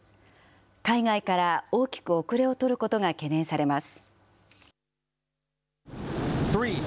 海外から大きく後れを取ることが懸念されます。